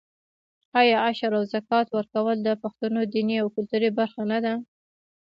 آیا عشر او زکات ورکول د پښتنو دیني او کلتوري برخه نه ده؟